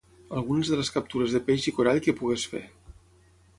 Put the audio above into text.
Algunes de les captures de peix i corall que pogués fer.